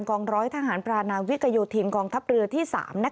กองร้อยทหารปรานาวิกโยธินกองทัพเรือที่๓